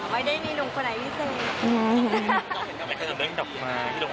ไม่ได้มีหนุ่มคนไหนที่เจอ